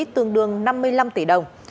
tương đương năm mươi năm tỷ đồng